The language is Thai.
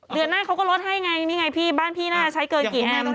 เดือนหน้าเขาก็ลดให้ไงนี่ไงพี่บ้านพี่หน้าใช้เกินกี่แอมกี่หน่วย